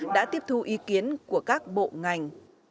đã tiếp thù ý kiến của các bộ ngành